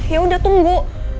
ya udah tunggu